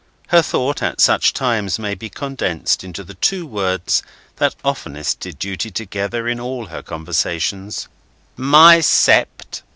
Her thought at such times may be condensed into the two words that oftenest did duty together in all her conversations: "My Sept!"